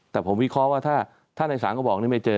แต่ผมวิเคราะห์ว่าถ้าในศาลก็บอกนี่ไม่เจอ